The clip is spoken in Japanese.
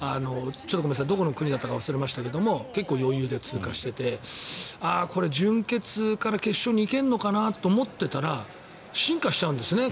どこの国か忘れましたが結構余裕で通過していてこれ、準決から決勝に行けるのかな？と思っていたら彼女は進化しちゃうんですね。